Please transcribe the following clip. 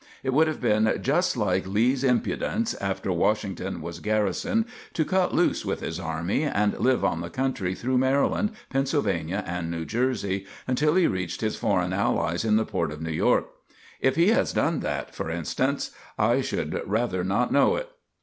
"It would have been just like Lee's impudence, after Washington was garrisoned, to cut loose with his army, and live on the country through Maryland, Pennsylvania, and New Jersey until he reached his foreign allies in the port of New York. If he has done that, for instance, I should rather not know it.